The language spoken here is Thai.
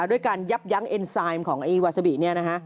ด้วยการยับยั้งเอ็นไซด์ของไอ้วาซาบิเนี่ยนะฮะ